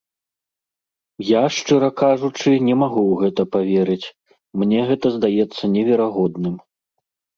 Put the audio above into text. Я, шчыра кажучы, не магу ў гэта паверыць, мне гэта здаецца неверагодным.